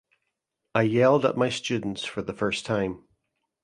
I yelled at my students for the first time